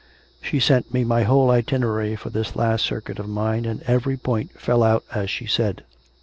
She sent me my whole itinerary for this last circuit of mine; and every point fell out as she said."